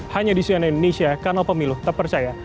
hanya di cnn indonesia kanal pemilu terpercaya